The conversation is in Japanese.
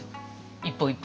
一本一本。